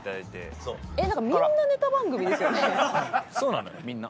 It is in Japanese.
そうなのよみんな。